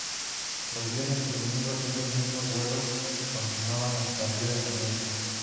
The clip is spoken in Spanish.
Los viernes y domingos, esos mismos vuelos continuaban hasta Río de Janeiro.